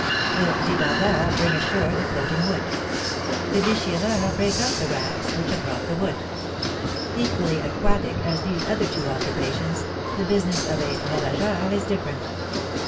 The débardeurs bring ashore the floating wood. The déchireurs break up the rafts which have brought the wood. Equally aquatic as these other two occupations, the business of a ravageur is different.